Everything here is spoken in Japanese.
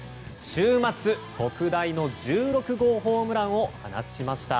週末、特大の１６号ホームランを放ちました。